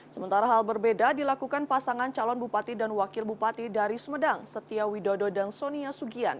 sementara hal berbeda dilakukan pasangan calon bupati dan wakil bupati dari sumedang setia widodo dan sonia sugian